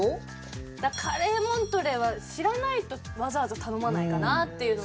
カレーモントレーは知らないとわざわざ頼まないかなっていうので。